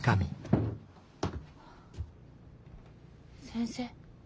先生。